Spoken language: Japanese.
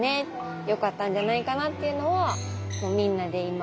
よかったんじゃないかな」っていうのはみんなで今意見を集めてて。